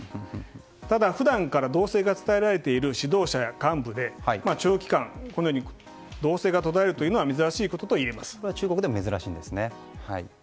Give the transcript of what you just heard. ただ、普段から動静が伝えられている指導者や幹部で長期間、動静が途絶えるというのは中国でも珍しいんですね。